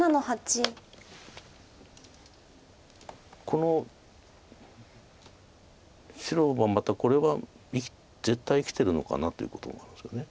この白がまたこれは絶対生きてるのかなということがあるんですよね。